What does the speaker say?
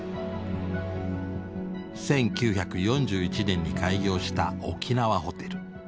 １９４１年に開業した沖縄ホテル。